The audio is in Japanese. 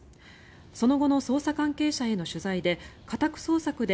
その後の捜査関係者への取材で家宅捜索で